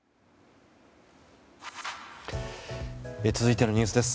続いてのニュースです。